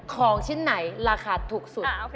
ของชิ้นไหนราคาถูกสุด